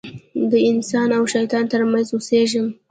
د انسان او شیطان تر منځ اوسېږم.